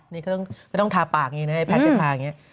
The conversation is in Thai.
นี่ก็ต้องทาปากอย่างนี้นะไอแพทย์ที่ทาอย่างนี้